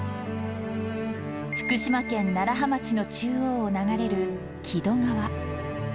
福島県楢葉町の中央を流れる、木戸川。